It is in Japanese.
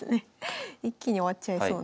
一気に終わっちゃいそうな。